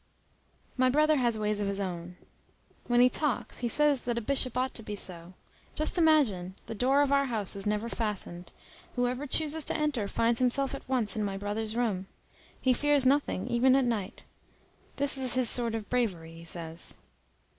My brother has ways of his own. When he talks, he says that a bishop ought to be so. Just imagine! the door of our house is never fastened. Whoever chooses to enter finds himself at once in my brother's room. He fears nothing, even at night. That is his sort of bravery, he says.